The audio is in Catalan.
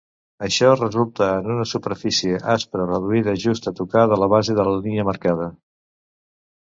Això resulta en una superfície aspre reduïda just a tocar de la base de la línia marcada.